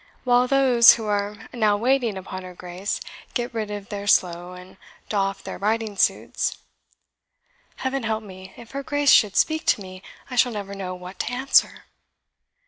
while those who are now waiting upon her Grace get rid of their slough, and doff their riding suits. Heaven help me, if her Grace should speak to me, I shall never know what to answer!"